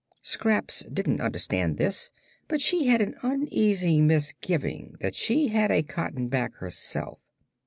Scraps didn't understand this, but she had an uneasy misgiving that she had a cotton back herself.